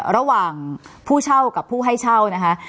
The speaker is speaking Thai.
ระหว่างผู้เช่ากับผู้ให้เช่านะคะ